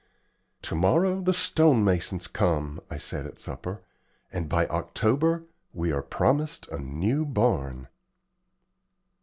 "To morrow the stone masons come," I said at supper, "and by October we are promised a new barn."